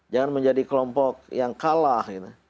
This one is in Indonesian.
jangan menjadi kelompok yang kalah